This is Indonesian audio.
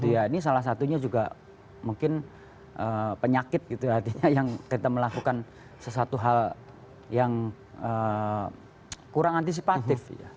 ini salah satunya juga mungkin penyakit yang kita melakukan sesuatu hal yang kurang antisipatif